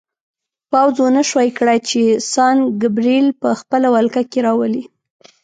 پوځ ونه شوای کړای چې سان ګبریل په خپله ولکه کې راولي.